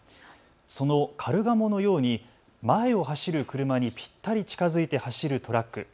そのカルガモのように前を走る車にぴったり近づいて走るトラック。